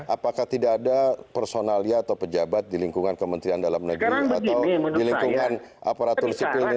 apakah tidak ada personalia atau pejabat di lingkungan kementerian dalam negeri atau di lingkungan aparatur sipil ini